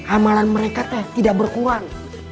amalan mereka teh tidak berkurang